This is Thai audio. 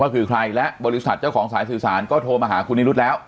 ก็คือใครและบริษัทเจ้าของสายสื่อสารก็โทรมาหาคุณนิรุธแล้ว